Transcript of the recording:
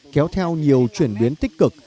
kéo theo nhiều chuyển biến tích cực